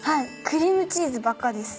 クリームチーズばっかです。